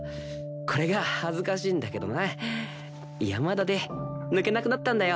これが恥ずかしいんだけどな山田で抜けなくなったんだよ。